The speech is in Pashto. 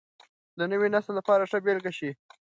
د نوي نسل لپاره ښه بېلګه شئ.